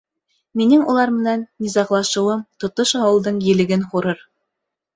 — Минең улар менән низағлашыуым тотош ауылдың елеген һурыр.